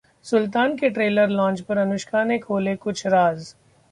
'सुल्तान' के trailer launch पर अनुष्का ने खोले कुछ राज